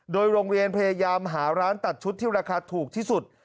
โดยโรงเรียนพยายามหาร้านตัดชุดที่ราคาถูกที่สุด